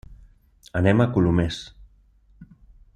Anem a Colomers.